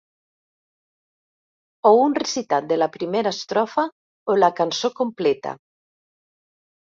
O un recitat de la primera estrofa o la cançó completa.